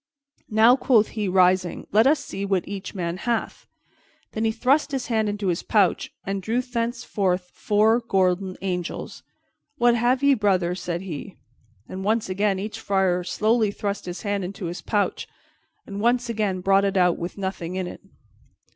"Now," quoth he, rising, "let us see what each man hath." Then he thrust his hand into his pouch and drew thence four golden angels. "What have ye, brothers?" said he. Then once again each friar slowly thrust his hand into his pouch, and once again brought it out with nothing in it.